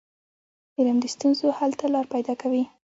علم د ستونزو حل ته لار پيداکوي.